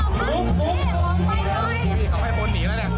จับทางเดียนครับอุ้มอุ้มอุ้มไฟไหม้เอาให้คนหนีแล้วเนี่ย